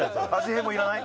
変もいらない？